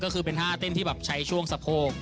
ก็คือเป็นท่าเต้นที่แบบใช้ช่วงสะโพก